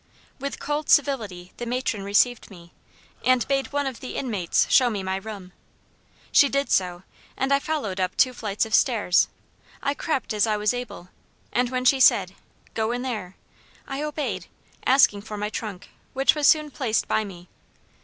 With cold civility the matron received me, and bade one of the inmates shew me my room. She did so; and I followed up two flights of stairs. I crept as I was able; and when she said, 'Go in there,' I obeyed, asking for my trunk, which was soon placed by me.